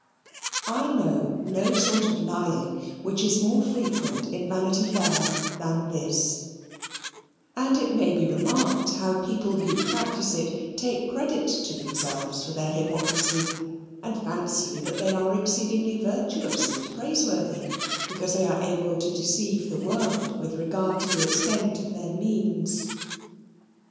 I know no sort of lying which is more frequent in Vanity Fair than this, and it may be remarked how people who practise it take credit to themselves for their hypocrisy, and fancy that they are exceedingly virtuous and praiseworthy, because they are able to deceive the world with regard to the extent of their means.